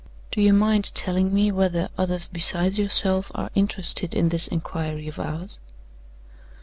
Do you mind telling me whether others besides yourself are interested in this inquiry of ours?"